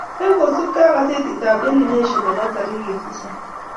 eng kosub kee ak kasetit anb daily nation nebo tarik tisap